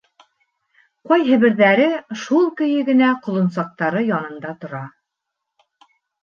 Ҡайһы берҙәре шул көйө генә ҡолонсаҡтары янында тора.